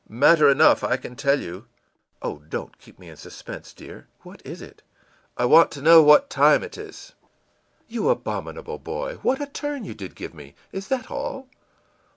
î ìMatter enough, I can tell you!î ìOh, don't keep me in suspense, dear! What is it?î ìI want to know what time it is.î ìYou abominable boy, what a turn you did give me! Is that all?